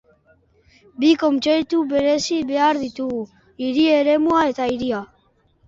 Bi kontzeptu berezi behar ditugu: hiri-eremua eta hiria.